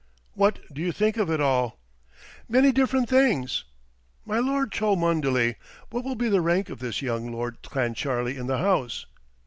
"What do you think of it all?" "Many different things." "My Lord Cholmondeley, what will be the rank of this young Lord Clancharlie in the House?"